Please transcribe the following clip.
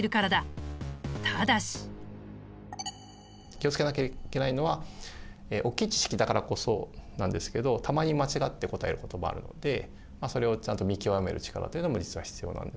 気を付けなきゃいけないのは大きい知識だからこそなんですけどたまに間違って答えることもあるのでそれをちゃんと見極める力というのも実は必要なんですけど。